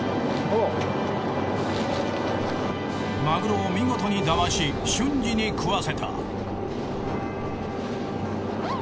マグロを見事にだまし瞬時に喰わせた。